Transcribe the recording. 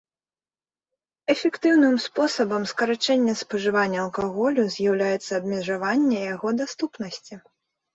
Эфектыўным спосабам скарачэння спажывання алкаголю з'яўляецца абмежаванне яго даступнасці.